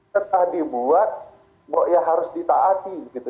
tidak dibuat ya harus ditaati